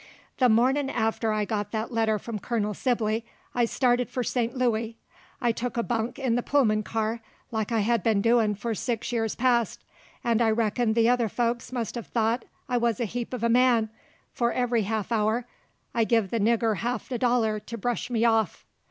The mornin' after I got that letter from Col. Sibley I started for Saint Louey. I took a bunk in the Pullman car, like I hed been doin' for six years past; 'nd I reckon the other folks must hev thought I wuz a heap uv a man, for every haff hour I give the nigger ha'f a dollar to bresh me off.